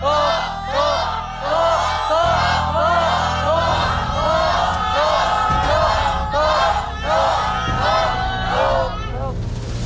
ตก